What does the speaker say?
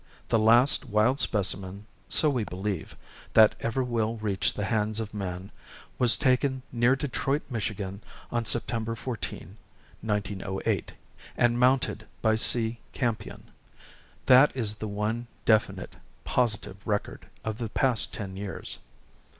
The last wild specimen (so we believe) that ever will reach the hands of man, was taken near Detroit, Michigan, on Sept. 14, 1908, and mounted by C. Campion. That is the one definite, positive record of the past ten years.